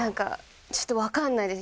ちょっとわかんないです。